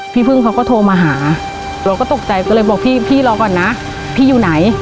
พี่พึ่งเขาก็โทรมาหาเราก็ตกใจก็เลยบอกพี่พี่รอก่อนนะพี่อยู่ไหน